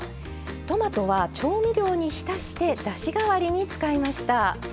トマトは調味料に浸してだしがわりに使いました。